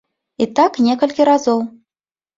І так некалькі разоў.